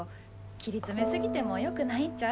切り詰め過ぎてもよくないんちゃう？